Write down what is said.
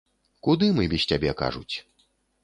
Куды мы без цябе, кажуць?